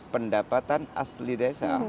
pendapatan asli desa